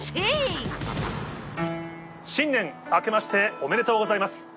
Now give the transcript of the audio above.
新年あけましておめでとうございます。